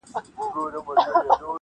o د عِلم تخم ته هواري کړی د زړو کروندې,